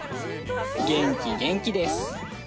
元気元気です